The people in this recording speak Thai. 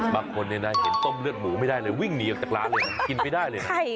บางคนเห็นต้มเลือดหมูไม่ได้เลยวิ่งหนีออกจากร้านเลยนะกินไม่ได้เลยนะ